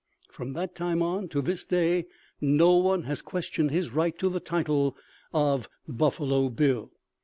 From that time on to this day no one has questioned his right to the title of "Buffalo Bill."